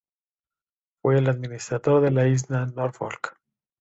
Fue el Administrador de la Isla Norfolk.